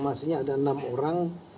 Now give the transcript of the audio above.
masih ada enam orang